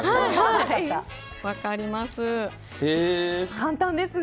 分かります。